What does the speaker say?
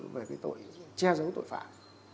về cái tội che giấu tội phạm